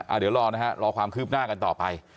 เดี๋ยวรอนะฮะรอความคืบหน้ากันต่อไป